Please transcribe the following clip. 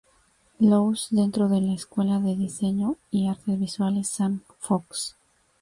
Louis, dentro del la escuela de Diseño y Artes Visuales Sam Fox.